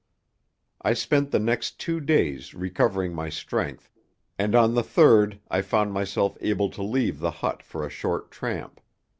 I spent the next two days recovering my strength, and on the third I found myself able to leave the hut for a short tramp.